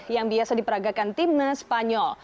yang biasa diperagakan timnas spanyol